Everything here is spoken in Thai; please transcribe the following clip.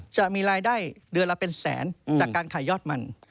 จะมีรายได้เดือนละเป็นแสนจากการขายยอดมัน